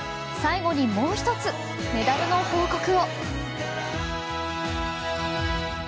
最後にもう１つメダルの報告を。